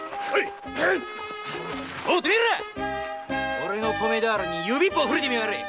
俺の米俵に指一本触れてみやがれ。